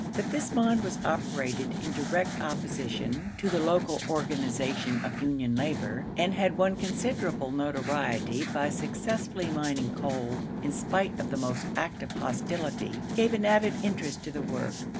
That this mine was operated in direct opposition to the local organization of union labor, and had won considerable notoriety by successfully mining coal in spite of the most active hostility, gave an added interest to the work.